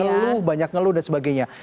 ngeluh banyak ngeluh dan sebagainya